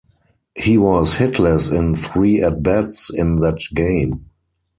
He was hitless in three at-bats in that game.